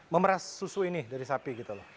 memeras susu ini dari sapi gitu loh